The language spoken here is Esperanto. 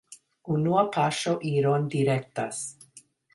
Unua paŝo iron direktas.